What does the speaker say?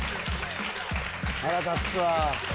腹立つわ。